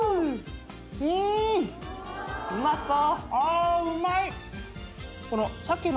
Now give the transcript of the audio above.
うまそう。